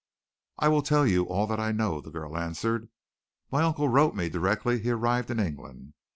"I will tell you all that I know," the girl answered. "My uncle wrote me directly he arrived in England.